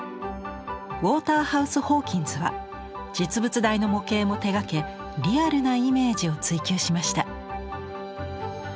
ウォーターハウス・ホーキンズは実物大の模型も手がけリアルなイメージを追求しました。